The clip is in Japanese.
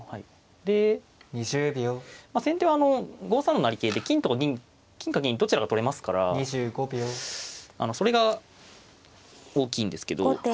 で先手は５三の成桂で金とか銀金か銀どちらか取れますからそれが大きいんですけど。